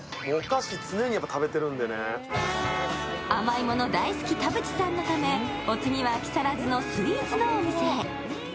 甘いもの大好き田渕さんのため、お次は木更津のスイーツのお店へ。